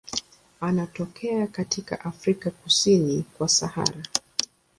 Anatokea katika Afrika kusini kwa Sahara.